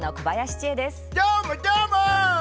どーも、どーも！